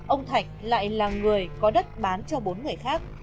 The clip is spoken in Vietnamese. ông thạch lại là người có đất bán cho bốn người khác